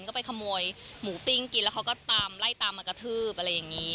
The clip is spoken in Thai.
ก็ไปขโมยหมูปิ้งกินแล้วเขาก็ตามไล่ตามมากระทืบอะไรอย่างนี้